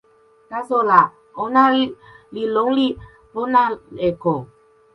taso la, ona li lon li pona e kon.